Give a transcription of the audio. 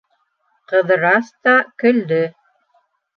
Ҡыҙырас та көлдө.